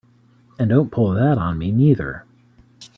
And don't pull that on me neither!